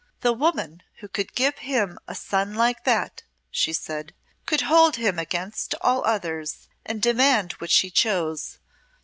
"The woman who could give him a son like that," she said, "could hold him against all others, and demand what she chose.